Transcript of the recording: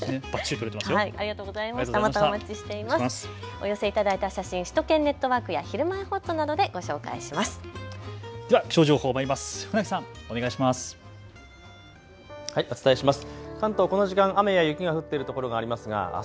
お寄せいただいた写真は首都圏ネットワークやひるまえほっとなどで紹介します。